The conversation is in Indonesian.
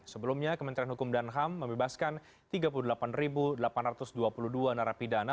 sebelumnya kementerian hukum dan ham membebaskan tiga puluh delapan delapan ratus dua puluh dua narapidana